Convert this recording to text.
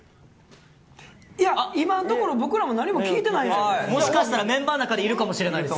いや、今のところ、僕らも何もしかしたらメンバーの中でいるかもしれないです。